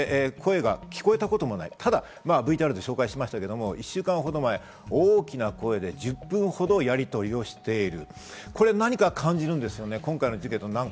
声が聞こえたこともない、ただＶＴＲで紹介しましたが、１週間ほど前、大きな声で１０分ほどやりとりをしている。